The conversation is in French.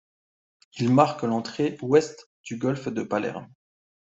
Il marque l'entrée ouest du golfe de Palerme.